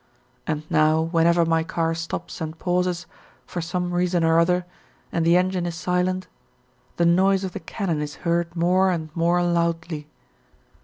And now whenever my car stops and pauses, for some reason or other, and the engine is silent, the noise of the cannon is heard more and more loudly.